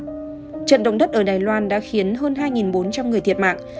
trận động đất ở đài loan đã khiến hơn hai bốn trăm linh người thiệt mạng